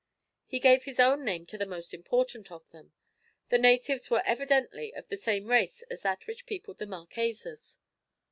He gave his own name to the most important of them. The natives were evidently of the same race as that which peopled the Marquesas.